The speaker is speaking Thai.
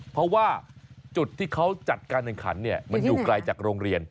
เพราะว่าจุดที่เขาจัดการแข่งขันมันอยู่ไกลจากโรงเรียน